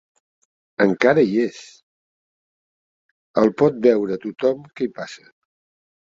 Encara hi és, el pot veure tothom que hi passa.